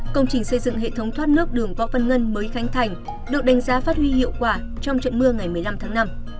công trình xây dựng hệ thống thoát nước đường võ văn ngân mới khánh thành được đánh giá phát huy hiệu quả trong trận mưa ngày một mươi năm tháng năm